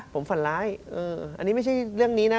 ผมฝันร้ายอันนี้ไม่ใช่เรื่องนี้นะ